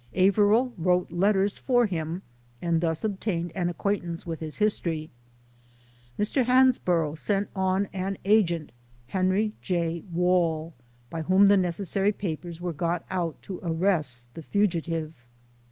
Averill wrote let ters for him, and thus obtained an acquaintance with his history. Mr. Hansborough sent on an agent, Henry J. Wall, by whom the necessary pa pers were got out to arrest the fugitive.